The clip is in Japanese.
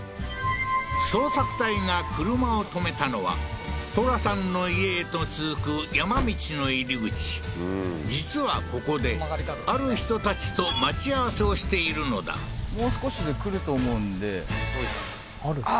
捜索隊が車を止めたのはトラさんの家へと続く山道の入り口実はここである人たちと待ち合わせをしているのだは